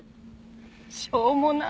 しょうもなっ！